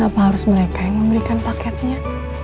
ba kenapa harus mereka yang memberikan paketnya